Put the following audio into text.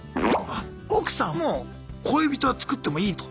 あ奥さんも「恋人は作ってもいい」と。